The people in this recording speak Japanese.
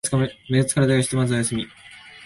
目が疲れたからひとまずお休み